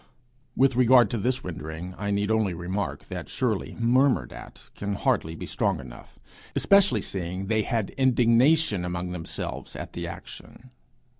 With regard to this rendering I need only remark that surely 'murmured at' can hardly be strong enough, especially seeing 'they had indignation among themselves' at the action.